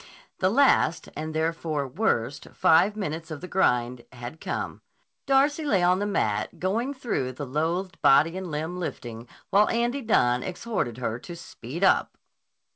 The last, and therefore worst, five minutes of the grind had come. Darcy lay on the mat going through the loathed body and limb lifting while Andy Dunne exhorted her to speed up.